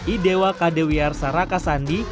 idewa kdwr saraka sandi